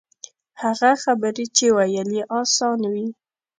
هغه خبرې چې ویل یې آسان وي.